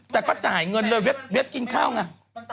แต่ก็จ่ายเงินเลยเว็บกินข้าวไง